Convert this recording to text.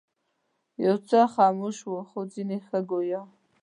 یو څه خموش ول خو ځینې ښه ګویا.